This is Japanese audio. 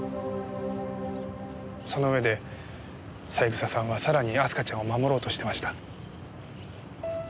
その上で三枝さんはさらに明日香ちゃんを守ろうとしてました。